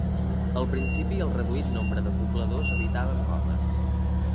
Al principi el reduït nombre de pobladors habitava en coves.